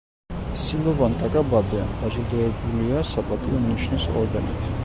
სილოვან კაკაბაძე დაჯილდოებულია „საპატიო ნიშნის“ ორდენით.